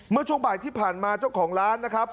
เมื่อช่วงบ่ายที่ผ่านมาเจ้าของร้านนะครับ